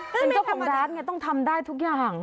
เป็นเจ้าของร้านไงต้องทำได้ทุกอย่าง